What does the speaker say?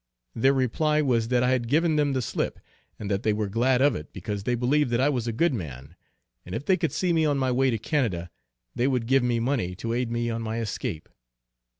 Their reply was that I had given them the slip, and that they were glad of it, because they believed that I was a good man, and if they could see me on my way to Canada, they would give me money to aid me on my escape.